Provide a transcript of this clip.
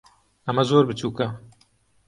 ئەمە زۆر بچووکە.